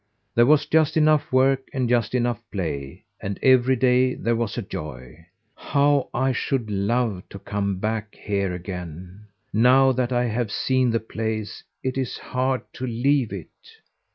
"There was just enough work and just enough play, and every day there was a joy. How I should love to come back here again! Now that I have seen the place, it is hard to leave it."